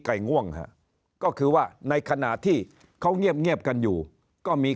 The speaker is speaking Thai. ง่วงฮะก็คือว่าในขณะที่เขาเงียบเงียบกันอยู่ก็มี